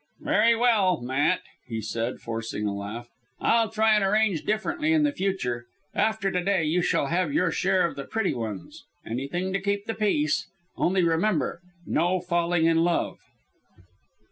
"Very well, Matt," he said, forcing a laugh. "I'll try and arrange differently in future. After to day you shall have your share of the pretty ones anything to keep the peace. Only remember no falling in love."